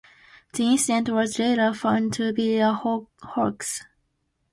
The incident was later found to be a hoax.